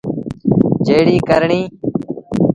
جيڙي ڪرڻيٚ۔